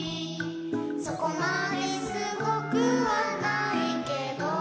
「そこまですごくはないけど」